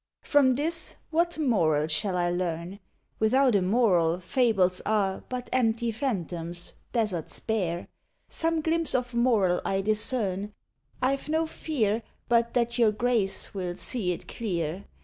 From this what moral shall I learn? Without a moral, fables are But empty phantoms deserts bare. Some glimpse of moral I discern, But I'll not trace it; I've no fear But that your Grace will see it clear.